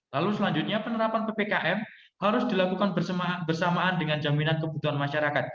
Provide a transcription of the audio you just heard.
lalu selanjutnya penerapan ppkm harus dilakukan bersamaan dengan jaminan kebutuhan masyarakat